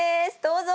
どうぞ。